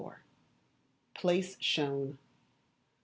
Place Shown.